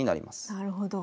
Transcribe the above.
なるほど。